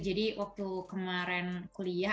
jadi waktu kemarin kuliah